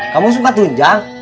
kamu suka tujang